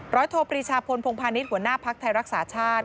ร้อยโทปริชาพลพงภานิษฐ์หัวหน้าภักร์ไทยรักษาชาติ